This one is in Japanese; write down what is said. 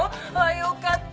よかった。